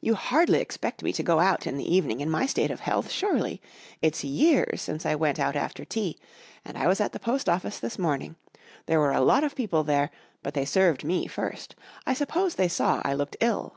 "You hardly expect me to go out in the evening in my state of health, surely? It's years since I went out after tea. And I was at the post office this morning. There were a lot of people there, but they served me first. I suppose they saw I looked ill."